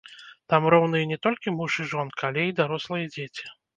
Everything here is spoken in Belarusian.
Там роўныя не толькі муж і жонка, але і дарослыя дзеці.